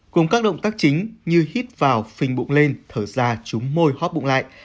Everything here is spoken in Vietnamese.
cùng các động tác chính như hít vào phình bụng lên thở ra trúng môi hóp bụng lại